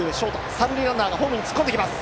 三塁ランナーがホームに突っ込んできます。